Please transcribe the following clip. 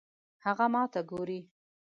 هغه ماته ګوري